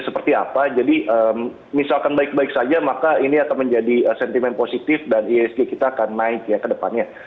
seperti apa jadi misalkan baik baik saja maka ini akan menjadi sentimen positif dan isg kita akan naik ya ke depannya